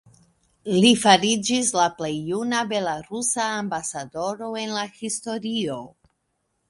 Li fariĝis la plej juna belarusa Ambasadoro en la historio.